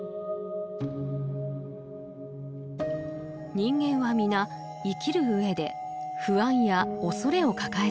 人間は皆生きる上で不安や恐れを抱えています。